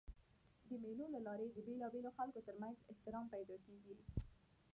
د مېلو له لاري د بېلابېلو خلکو تر منځ احترام پیدا کېږي.